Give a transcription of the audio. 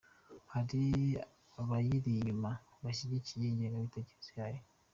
Hari abayiri inyuma bashyigikiye n’ingengabitekerezo yayo.